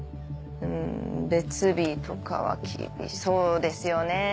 別日とかは厳しそうですよね。